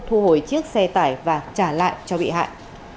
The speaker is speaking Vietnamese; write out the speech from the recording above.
thu hồi chiếc xe tải và trả lại cho bị hại